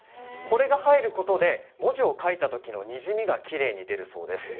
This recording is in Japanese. これが入ることで文字を書いたときのにじみがきれいに出るそうです。